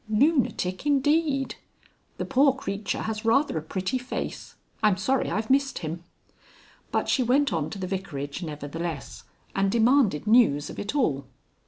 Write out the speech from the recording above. "Lunatic indeed! The poor creature has rather a pretty face. I'm sorry I've missed him." But she went on to the vicarage nevertheless, and demanded news of it all.